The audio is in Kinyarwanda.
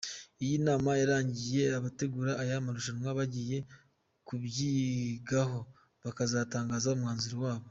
Iyi nama yarangiye, abategura aya marushanwa bagiye kubyigaho bakazatangaza umwanzuro wabo.